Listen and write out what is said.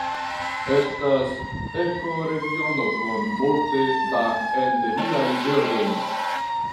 Estas ekoregiono kun multe da endemiaj birdoj.